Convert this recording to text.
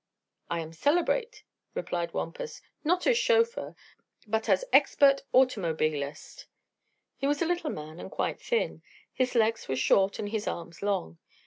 "I am celebrate," replied Wampus. "Not as chauffeur, but as expert automobilist." He was a little man and quite thin. His legs were short and his arms long.